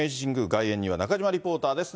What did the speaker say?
外苑には、中島リポーターです。